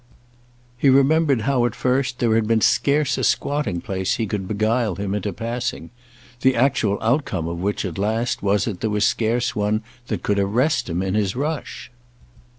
He remembered how at first there had been scarce a squatting place he could beguile him into passing; the actual outcome of which at last was that there was scarce one that could arrest him in his rush.